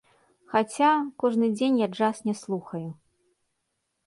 Хаця, кожны дзень я джаз не слухаю.